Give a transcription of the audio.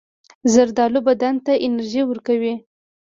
زردالو بدن ته انرژي ورکوي.